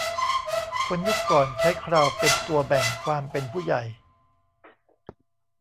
คนยุคก่อนใช้เคราเป็นตัวแบ่งความเป็นผู้ใหญ่